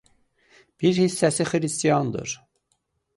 Bir hissəsi xristiandır.